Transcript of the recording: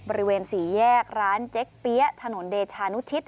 บริเวณสี่แยกร้านเจ๊กเปี๊ยะถนนเดชานุชิต